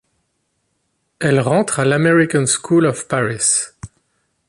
Elle rentre à l'American School of Paris.